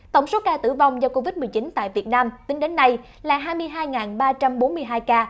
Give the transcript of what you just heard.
tổng số ca tử vong do covid một mươi chín tại việt nam tính đến nay là hai mươi hai ba trăm bốn mươi hai ca